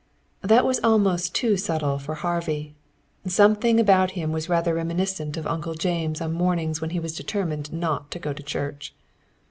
That was almost too subtle for Harvey. Something about him was rather reminiscent of Uncle James on mornings when he was determined not to go to church.